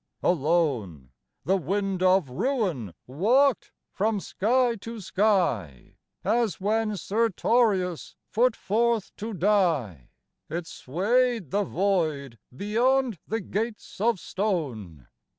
Alone The wind of ruin walked from sky to sky As when Sertorius put forth to die, It swayed the void beyond the gates of stone.